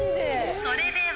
それでは。